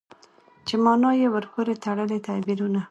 چې مانا يې ورپورې تړلي تعبيرونه